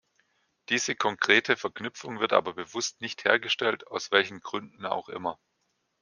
Diese konkrete Verknüpfung wird aber bewusst nicht hergestellt, aus welchen Gründen auch immer.